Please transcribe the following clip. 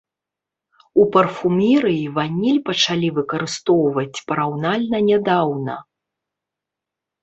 У парфумерыі ваніль пачалі выкарыстоўваць параўнальна нядаўна.